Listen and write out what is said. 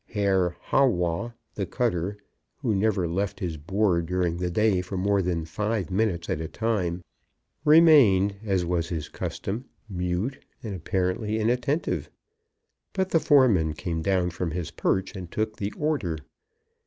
Herr "Bawwah," the cutter, who never left his board during the day for more than five minutes at a time, remained, as was his custom, mute and apparently inattentive; but the foreman came down from his perch and took the order.